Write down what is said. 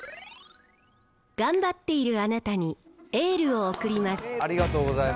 頑張っているあなたにエールを送ります！